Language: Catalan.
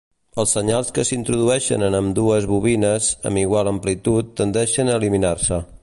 Els senyals que s'introdueixen en ambdues bobines amb igual amplitud tendeixen a eliminar-se.